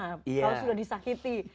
kalau sudah disakiti